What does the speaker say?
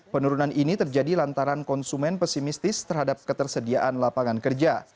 penurunan ini terjadi lantaran konsumen pesimistis terhadap ketersediaan lapangan kerja